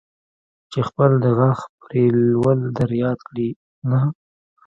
چې خپل د غاښ پرېولل در یاد کړي، نه.